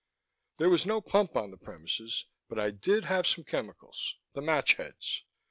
There was no pump on the premises but I did have some chemicals: the match heads.